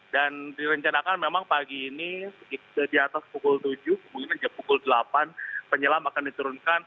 dan direncanakan memang pagi ini di atas pukul tujuh mungkin aja pukul delapan penyelam akan diturunkan